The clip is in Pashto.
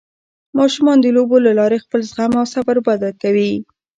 ماشومان د لوبو له لارې خپل زغم او صبر وده کوي.